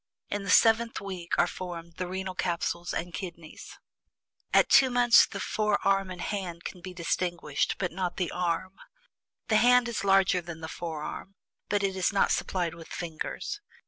In the seventh week are formed the renal capsules and kidneys. "At TWO MONTHS, the forearm and hand can be distinguished, but not the arm; the hand is larger than the forearm, but it is not supplied with fingers.